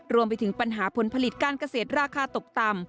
รวมไปถึงปัญหาผลผลิตการเกษตรราคาตกต่ำ